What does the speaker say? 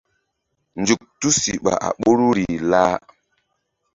Nzuk tusiɓa a ɓoruri lah.